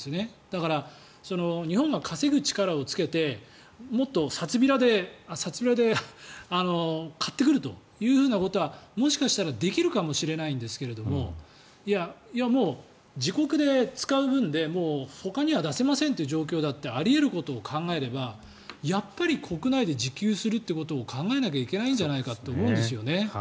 だから、日本が稼ぐ力をつけてもっと札びらで買ってくるというようなことがもしかしたらできるかもしれないんだけどいや、もう自国で使う分でほかには出せませんという状況だってあり得ることを考えればやっぱり国内で自給するということを考えなきゃいけないんじゃないかと思うんですね。